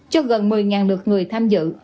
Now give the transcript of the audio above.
cho gần một mươi lượt người tham dự